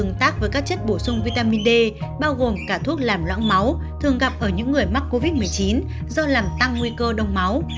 tương tác với các chất bổ sung vitamin d bao gồm cả thuốc làm lõng máu thường gặp ở những người mắc covid một mươi chín do làm tăng nguy cơ đông máu